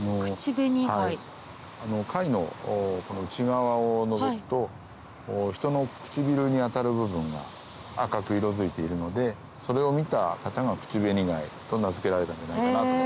貝の内側をのぞくと人の唇に当たる部分が赤く色づいているのでそれを見た方がクチベニガイと名付けられたんじゃないかなと。